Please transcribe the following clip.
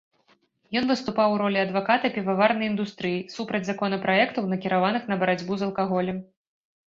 Ён выступаў у ролі адваката піваварнай індустрыі, супраць законапраектаў, накіраваных на барацьбу з алкаголем.